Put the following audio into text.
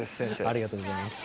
ありがとうございます。